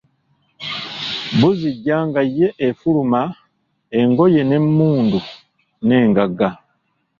Buzinja nga ye efuluma engoye n'emmundu n'engaga.